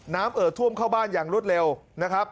เอ่อท่วมเข้าบ้านอย่างรวดเร็วนะครับ